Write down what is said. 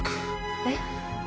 えっ？